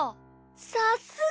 さすが。